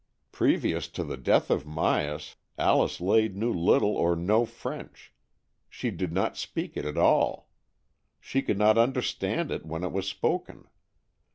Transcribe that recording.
Previous to the death of Myas, Alice Lade knew little or no French. She did not speak it at all. She could not understand it when it was spoken.